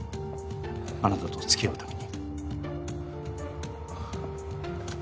あなたと付き合うために。